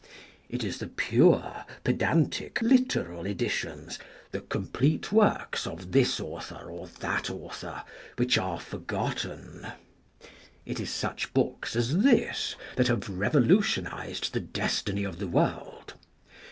It is the pure, pedantic, literal edi tions, the complete works of this author or that author which are forgotten. It is such books as this that have revolutionized the destiny of the world.